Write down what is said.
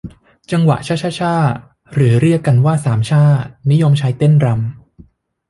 จังหวะชะชะช่า หรือเรียกกันว่าสามช่า นิยมใช้เต้นรำ